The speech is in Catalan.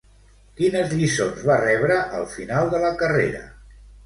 Quines lliçons va rebre al final de la carrera?